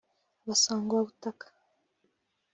“abasangwabutaka”